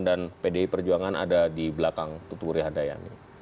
dan pdi perjuangan ada di belakang tutur rehad dayani